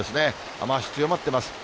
雨足強まってます。